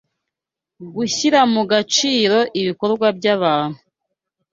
gushyira mu gaciro ibikorwa byabantu